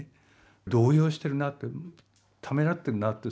動揺してるなってためらってるなって。